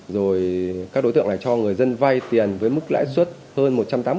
rồi các đối tượng này cho người dân vay tiền với mức lãi suất hơn một trăm tám mươi